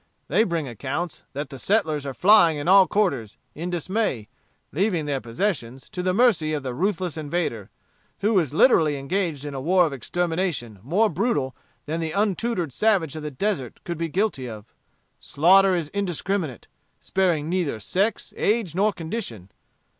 They bring accounts that the settlers are flying in all quarters, in dismay, leaving their possessions to the mercy of the ruthless invader, who is literally engaged in a war of extermination more brutal than the untutored savage of the desert could be guilty of. Slaughter is indiscriminate, sparing neither sex, age, nor condition.